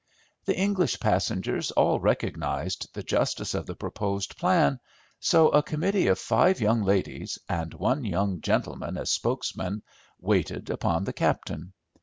The English passengers all recognised the justice of the proposed plan, so a committee of five young ladies, and one young gentleman as spokesman, waited upon the captain.